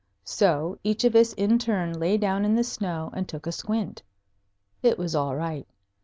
So each of us in turn lay down in the snow and took a squint. It was all right.